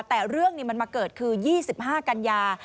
แต่เรื่องนี้มันมาเกิดคือยี่สิบห้ากันยา